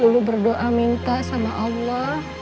dulu berdoa minta sama allah